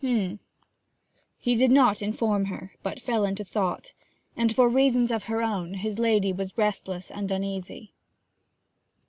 'H'm.' He did not inform her, but fell into thought; and, for reasons of her own, his lady was restless and uneasy.